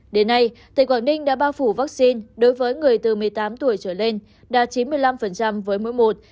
đến nay tỉnh quảng ninh đã bao phủ vaccine đối với người từ một mươi tám tuổi trở lên đạt chín mươi năm với mỗi một